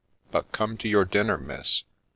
— But come to your dinner, Miss !